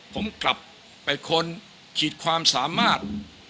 ผมกลับไปค้นขีดความสามารถ